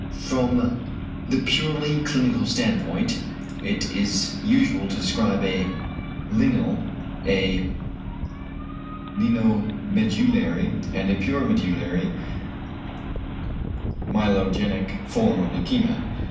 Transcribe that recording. From the purely clinical standpoint it is usual to describe a lienal, a lienomedullary, and a pure medullary (myelogenic) form of leukæmia.